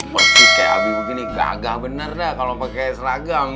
masih kayak abdi begini gagah bener dah kalau pakai seragam